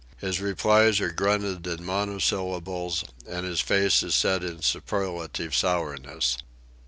His replies are grunted in monosyllables, and his face is set in superlative sourness.